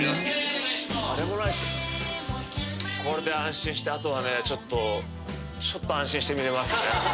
それこれで安心してあとはねちょっとちょっと安心して見れますね